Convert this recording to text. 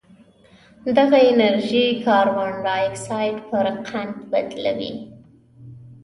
دغه انرژي کاربن ډای اکسایډ پر قند تبدیلوي